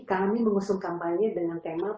kami mengusung kampanye dengan tema